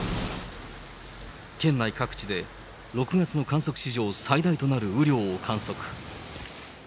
県内各地で、６月の観測史上最大となる雨量を観測。